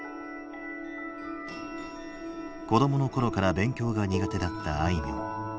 子どもの頃から勉強が苦手だったあいみょん。